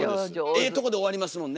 ええとこで終わりますもんね。